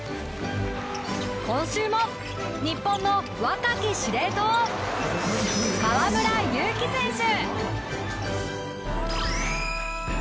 今週も日本の若き司令塔河村勇輝選手！